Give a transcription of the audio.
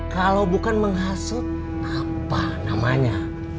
kamu kan menghasut apa namanya